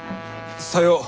さよう。